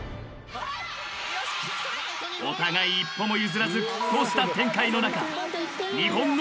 ［お互い一歩も譲らず拮抗した展開の中日本の］